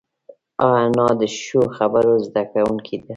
انا د ښو خبرو زده کوونکې ده